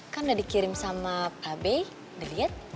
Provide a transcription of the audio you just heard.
kan udah dikirim sama pabe ngeliat